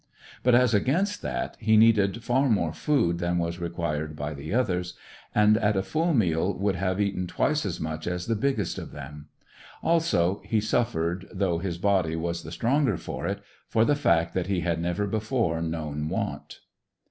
But, as against that, he needed far more food than was required by the others, and at a full meal would have eaten twice as much as the biggest of them. Also, he suffered, though his body was the stronger for it, for the fact that he had never before known want.